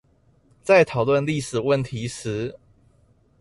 在討論歷史問題時